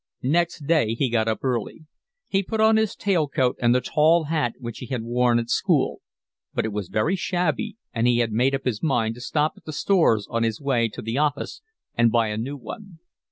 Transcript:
Next day he got up early. He put on his tail coat and the tall hat which he had worn at school; but it was very shabby, and he made up his mind to stop at the Stores on his way to the office and buy a new one.